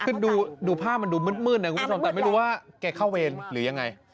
คือดูภาพมันดูมืดนะคุณผู้ชมแต่ไม่รู้ว่าแกเข้าเวรหรือยังไง